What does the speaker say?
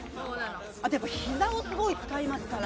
あとやっぱ、ひざをすごい使いますから。